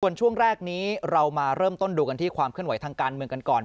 ส่วนช่วงแรกนี้เรามาเริ่มต้นดูกันที่ความเคลื่อนไหวทางการเมืองกันก่อน